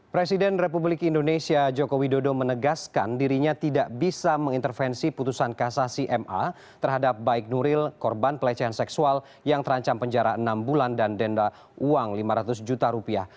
presiden republik indonesia joko widodo menegaskan dirinya tidak bisa mengintervensi putusan kasasi ma terhadap baik nuril korban pelecehan seksual yang terancam penjara enam bulan dan denda uang lima ratus juta rupiah